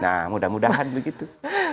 nah mudah mudahan begitu